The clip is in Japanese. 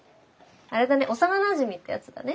あれだね幼なじみってやつだね。